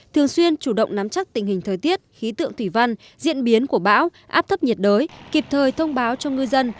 thường xuyên chủ động nắm chắc tình hình thời tiết khí tượng thủy văn diễn biến của bão áp thấp nhiệt đới kịp thời thông báo cho ngư dân